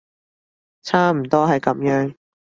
差唔多係噉樣